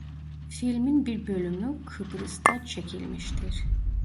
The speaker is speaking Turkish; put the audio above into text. Filmin bir bölümü Kıbrıs'ta çekilmiştir.